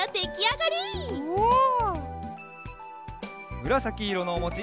むらさきいろのおもち